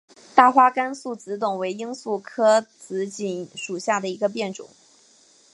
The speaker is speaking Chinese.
大花甘肃紫堇为罂粟科紫堇属下的一个变种。